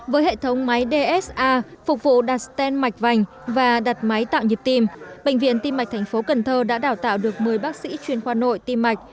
với hệ thống máy dsa phục vụ đặt stent mạch vành và đặt máy tạo nhịp tim bệnh viện tim mạch tp cn đã đào tạo được một mươi bác sĩ chuyên khoa nội tim mạch